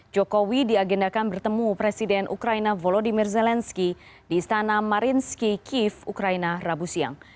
jokowi diagendakan bertemu presiden ukraina volodymyr zelensky di istana marinski kiev ukraina rabu siang